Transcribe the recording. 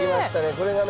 これがね